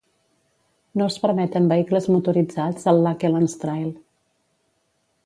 No es permeten vehicles motoritzats al Lakelands Trail.